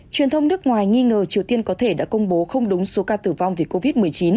truyền thông nước ngoài nghi ngờ triều tiên có thể đã công bố không đúng số ca tử vong vì covid một mươi chín